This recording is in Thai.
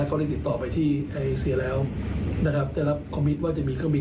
เขาได้ติดต่อไปที่เอเซียแล้วนะครับได้รับคอมมิตว่าจะมีเครื่องบิน